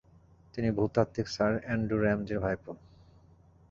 তিনি ভূতাত্ত্বিক sir Andrew র্যামজির ভাইপো।